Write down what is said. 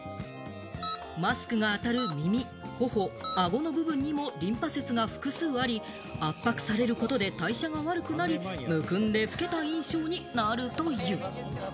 マスクが当たる耳、頬、顎の部分にもリンパ節が複数あり、圧迫されることで代謝が悪くなり、むくんで老けた印象になるという。